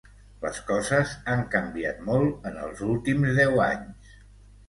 Les coses han canviat molt en els últims deu anys.